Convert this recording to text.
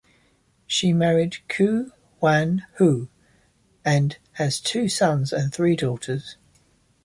He married Kuo Wan-hua and has two sons and three daughters.